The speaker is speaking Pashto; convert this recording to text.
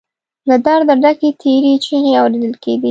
له درده ډکې تېرې چيغې اورېدل کېدې.